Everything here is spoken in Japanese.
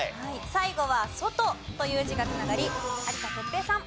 最後は「外」という字が繋がり有田哲平さん。